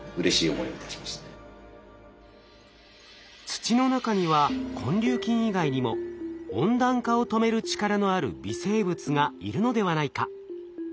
土の中には根粒菌以外にも温暖化を止める力のある微生物がいるのではないか。